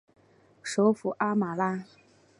首府阿马拉。